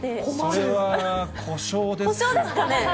それは、故障ですかね。